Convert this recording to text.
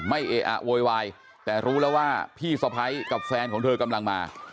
เออะโวยวายแต่รู้แล้วว่าพี่สะพ้ายกับแฟนของเธอกำลังมา